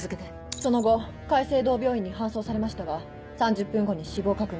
その後界星堂病院に搬送されましたが３０分後に死亡確認。